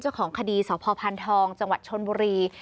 เจ้าของคดีสพพันธองจังหวัดชนบุรี